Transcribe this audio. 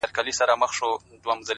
دغه دی ويې گوره دا لونگ ښه يمه’